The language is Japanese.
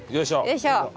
よいしょ。